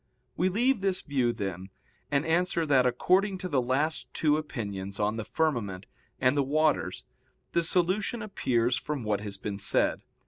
We leave this view, then, and answer that according to the last two opinions on the firmament and the waters the solution appears from what has been said.